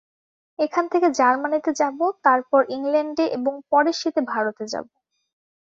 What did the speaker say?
এখান থেকে জার্মানীতে যাব, তারপর ইংলণ্ডে এবং পরের শীতে ভারতে যাব।